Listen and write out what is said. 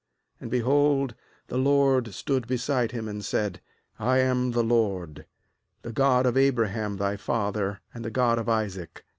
13And, behold, the LORD stood beside him, and said: 'I am the LORD, the God of Abraham thy father, and the God of Isaac.